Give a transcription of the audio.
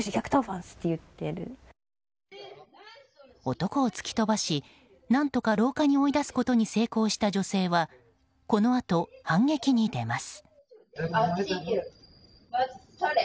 男を突き飛ばし、何とか廊下に追い出すことに成功した女性は、このあと反撃に出ます。